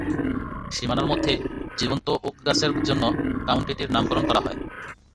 সীমানার মধ্যে জীবন্ত ওক গাছের জন্য কাউন্টিটির নামকরণ করা হয়।